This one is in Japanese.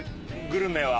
グルメは。